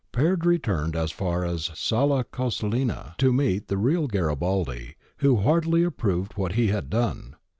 Peard returned as far as Sala Consilina to meet the real Garibaldi, who heartily approved what he had done.